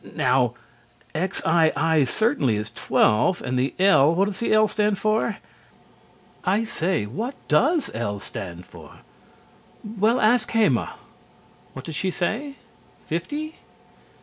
now XII certainly is twelve, and L ... what does L stand for?... I say; what does L stand for?... Well, ask Heima.... What does she say?... Fifty?...